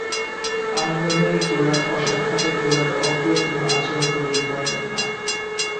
আনন্দময়ী গোরার অসাক্ষাতে গোরার অপ্রিয় কোনো আচরণ করিতে পারিলেন না।